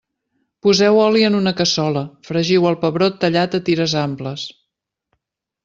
Poseu oli en una cassola, fregiu el pebrot tallat a tires amples.